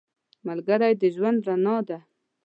ملګری د ژوند رنګ دی